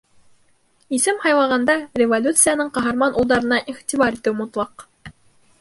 Исем һайлағанда революцияның ҡаһарман улдарына иғтибар итеү мотлаҡ.